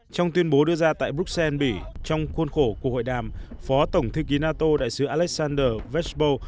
trong tuyên bố đưa ra tại bruxelles bỉ trong khuôn khổ cuộc hội đàm phó tổng thư ký nato đại sứ alexander espo